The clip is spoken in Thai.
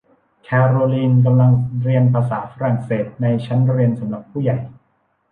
แคโรลีนกำลังเรียนภาษาฝรั่งเศสในชั้นเรียนสำหรับผู้ใหญ่